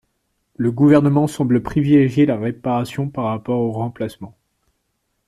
Le Gouvernement semble privilégier la réparation par rapport au remplacement.